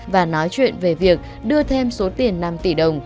và nói chuyện về việc đưa thêm số tiền năm tỷ đồng